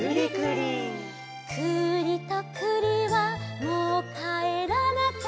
「くりとくりはもうかえらなきゃ」